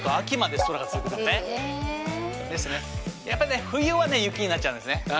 やっぱり冬は「雪」になっちゃうんですね。